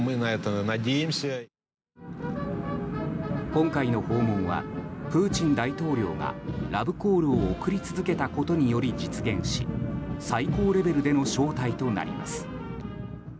今回の訪問はプーチン大統領がラブコールを送り続けたことにより実現し最高レベルでの招待となります。